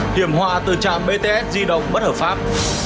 kiểm hòa từ trạm bts di động bất hợp pháp